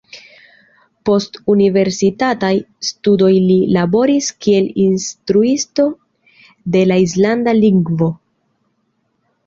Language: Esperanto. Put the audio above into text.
Post universitataj studoj li laboris kiel instruisto de la islanda lingvo.